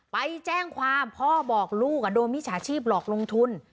ไปแจ้งความพ่อบอกลูกโดนมิจฉาชีพหลอกลงทุน